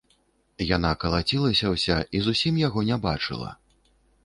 Яна калацілася ўся і зусім яго не бачыла.